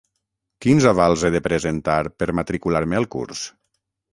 Quins avals he de presentar per matricular-me al curs?